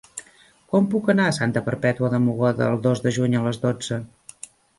Com puc anar a Santa Perpètua de Mogoda el dos de juny a les dotze?